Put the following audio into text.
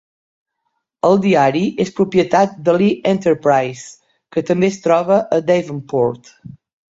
El diari és propietat de Lee Enterprises, que també es troba a Davenport.